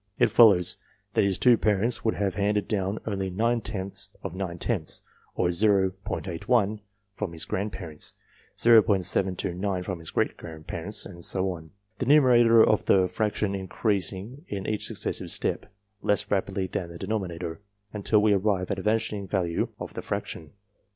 It follows, that his two parents would have handed down only nine tenths of nine tenths, or T 8 ^ from his grandparents, row from his great grandparents, and so on ; the numerator of the fraction increasing in each successive step less GENERAL CONSIDERATIONS 357 rapidly than the denominator, until we arrive at a vanishing value of the fraction.